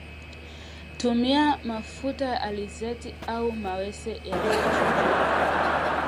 Tumia mafuta ya alizeti au mawese yaliyochujwa